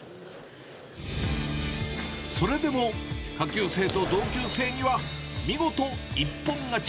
それでも下級生と同級生には見事、一本勝ち。